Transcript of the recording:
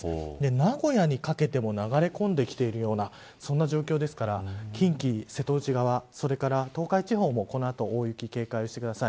名古屋にかけても流れ込んできているようなそんな状況ですから近畿、瀬戸内側それから東海地方もこの後大雪に警戒してください。